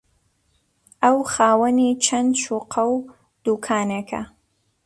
ئەو خاوەنی چەند شوقە و دوکانێکە